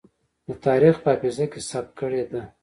د تاريخ په حافظه کې ثبت کړې ده.